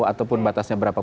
ataupun batasnya berapa